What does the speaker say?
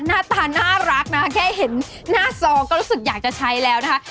หน้าตาน่ารักนะแค่เห็นหน้าจอก็รู้สึกอยากจะใช้แล้วนะคะ